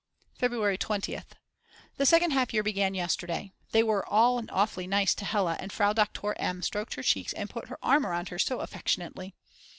February 20th. The second half year began yesterday. They were all awfully nice to Hella, and Frau Doktor M. stroked her cheeks and put her arm round her so affectionately.